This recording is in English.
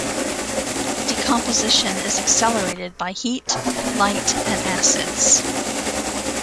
Decomposition is accelerated by heat, light, and acids.